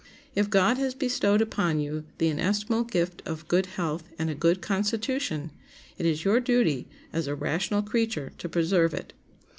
If God has bestowed upon you the inestimable gift of good health and a good constitution, it is your duty, as a rational creature, to preserve it.